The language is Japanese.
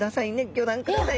ギョ覧ください。